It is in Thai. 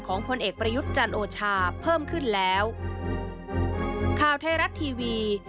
ของผลเอกประยุทธ์จันโอชาเพิ่มขึ้นแล้ว